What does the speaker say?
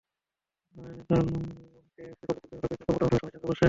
বাহরাইনে কাল এএফসির কংগ্রেসে যোগ দেওয়ার ফাঁকে সাফ কর্মকর্তারা অনানুষ্ঠানিক সভায় বসেন।